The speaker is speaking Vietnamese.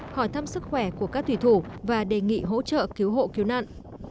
hỏi thăm sức khỏe của các thủy thủ và đề nghị hỗ trợ cứu hộ cứu nạn